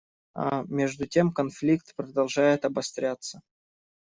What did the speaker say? А между тем конфликт продолжает обостряться.